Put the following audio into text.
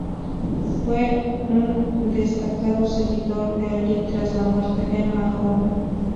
Fue un destacado seguidor de Ali tras la muerte de Mahoma.